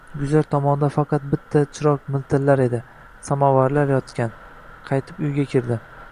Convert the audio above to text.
Guzar tomonda faqat bitta chiroq miltillar edi. Samovarlar yotgan. Qaytib uyga kirdi.